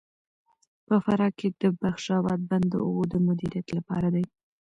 په فراه کې د بخش اباد بند د اوبو د مدیریت لپاره دی.